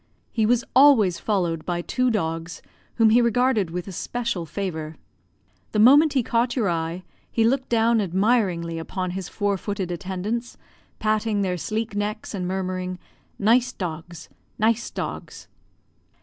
He was always followed by two dogs, whom he regarded with especial favour. The moment he caught your eye, he looked down admiringly upon his four footed attendants, patting their sleek necks, and murmuring, "Nice dogs nice dogs."